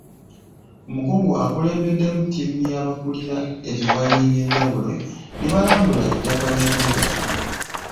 Omukungu akulembeddemu ttiimu y’abakulira ebiwayi eby'enjawulo ne balambula ettaka ly'embuga.